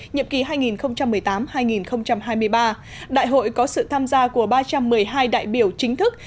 nhiệm kỳ hai nghìn một mươi tám hai nghìn hai mươi ba đại hội có sự tham gia của ba trăm một mươi hai đại biểu chính thức